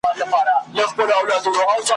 زما له خپل منبره پورته زما د خپل بلال آذان دی `